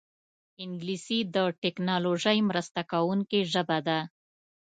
انګلیسي د ټیکنالوژۍ مرسته کوونکې ژبه ده